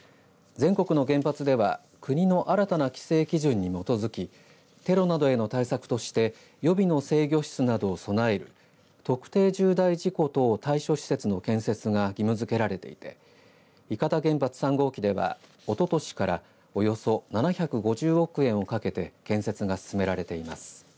全国の原発では国の新たな規制基準に基づきテロなどへの対策として予備の制御室などを備える特定重大事故等対処施設の建設が義務づけられていて伊方原発３号機ではおととしからおよそ７５０億円をかけて建設が進められています。